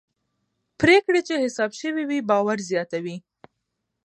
پرېکړې چې حساب شوي وي باور زیاتوي